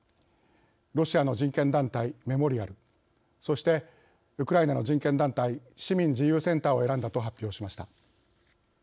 ロシアの人権団体メモリアルそして、ウクライナの人権団体市民自由センターを選んだと発表しました。